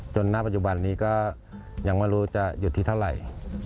หน้าปัจจุบันนี้ก็ยังไม่รู้จะหยุดที่เท่าไหร่